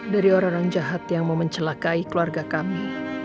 dari orang orang jahat yang memencelakai keluarga kami